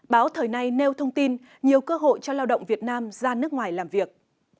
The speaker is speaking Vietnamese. báo thời nay nêu thông tin nhiều cơ hội cho lao động việt nam ra nước ngoài làm việc